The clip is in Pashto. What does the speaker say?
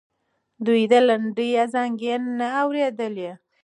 دوی د لنډۍ ازانګې نه اورېدلې.